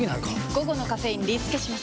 午後のカフェインリスケします！